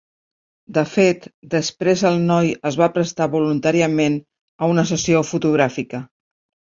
De fet, després el noi es va prestar voluntàriament a una sessió fotogràfica.